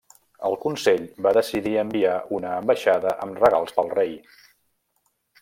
El consell va decidir enviar una ambaixada amb regals pel rei.